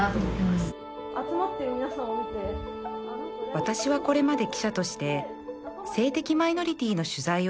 私はこれまで記者として性的マイノリティーの取材を続けてきました